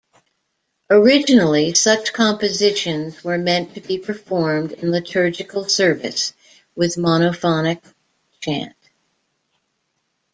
Originally, such compositions were meant to be performed in liturgical service, with monophonic chant.